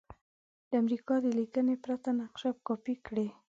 د امریکا د لیکنې پرته نقشه کاپې کړئ.